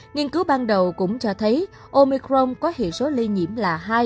nghiên cứu ban đầu cũng cho thấy omicron có hiệu số lây nhiễm là hai